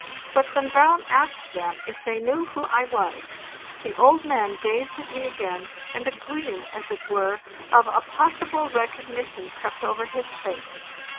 But when Brown asked them if they knew who I was, the old man gazed at me again, and a gleam, as it were, of a possible recog nition crept over his face.